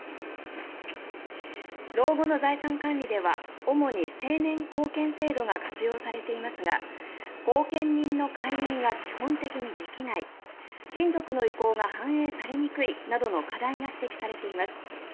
老後の財産管理では主に成年後見制度が活用されていますが後見人の解任が基本的にできない親族の意向が反映されにくいなどの課題が指摘されています。